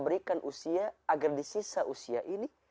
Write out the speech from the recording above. berikan usia agar di sisa usia ini